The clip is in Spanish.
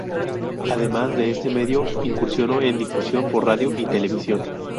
Además de este medio, incursionó en difusión por radio y televisión.